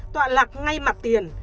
tọa lạc ngay mặt tiền